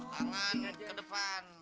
tangan ke depan